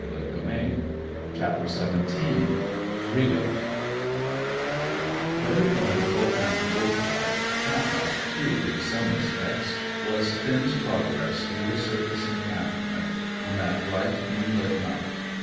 CHAPTER XVII FREEDOM Very wonderful and wolf like, cat like, too, in some respects, was Finn's progress through the circus encampment on that bright moonlight night.